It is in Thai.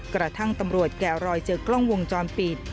กระทั่งตำรวจแกะรอยเจอกล้องวงจรปิด